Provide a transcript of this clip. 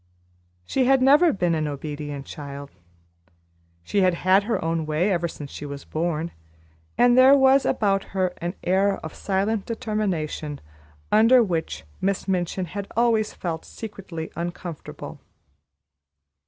She had never been an obedient child. She had had her own way ever since she was born, and there was about her an air of silent determination under which Miss Minchin had always felt secretly uncomfortable.